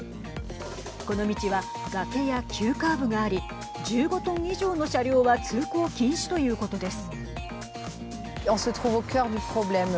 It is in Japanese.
この道は、崖や急カーブがあり１５トン以上の車両は通行禁止ということです。